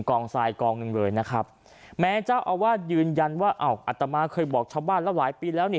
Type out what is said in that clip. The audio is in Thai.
กองทรายกองหนึ่งเลยนะครับแม้เจ้าอาวาสยืนยันว่าอ้าวอัตมาเคยบอกชาวบ้านแล้วหลายปีแล้วนี่